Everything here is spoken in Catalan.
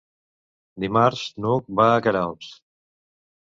Dimarts n'Hug va a Queralbs.